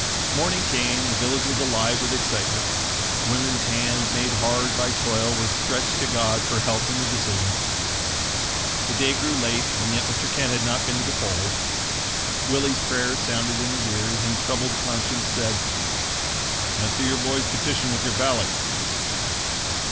Morning came, the village was alive with excitement. Women's hands, made hard by toil, were stretched to God for help in the decision. The day grew late and yet Mr. Kent had not been to the polls. Willie's prayer sounded in his ears, and troubled conscience said: "Answer your boy's petition with your ballot."